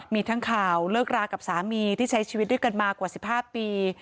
มีทั้งข่าวเลิกรากับสามีที่ใช้ชีวิตด้วยกันมากว่า๑๕ปี